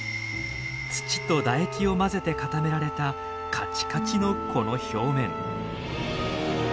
土と唾液を混ぜて固められたカチカチのこの表面。